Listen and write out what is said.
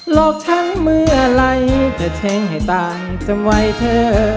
หลอกฉันเมื่อไหร่จะเช้งให้ต่างจำไว้เธอ